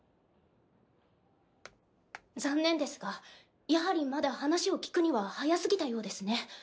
残念ですがやはりまだ話を聞くには早すぎたようですね。